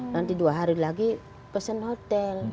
nanti dua hari lagi pesen hotel